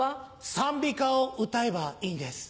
賛美歌を歌えばいいんです。